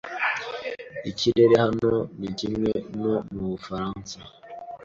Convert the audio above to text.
Ikirere hano ni kimwe no mu Bufaransa.